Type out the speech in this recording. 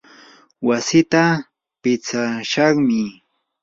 wasiita pitsashaqmi.